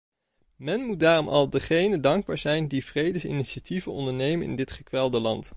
Men moet daarom al degenen dankbaar zijn die vredesinitiatieven ondernemen in dit gekwelde land.